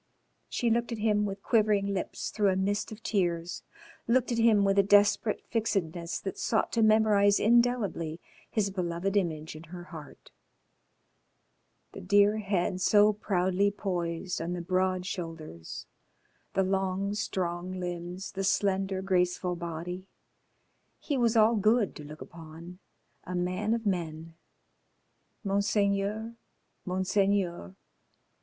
She looked at him with quivering lips through a mist of tears, looked at him with a desperate fixedness that sought to memorise indelibly his beloved image in her heart. The dear head so proudly poised on the broad shoulders, the long strong limbs, the slender, graceful body. He was all good to look upon. A man of men. Monseigneur! Monseigneur!